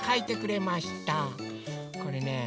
これねえ。